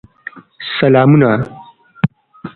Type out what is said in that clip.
سلامونه !